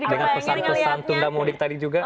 dengan pesan pesan tunda mudik tadi juga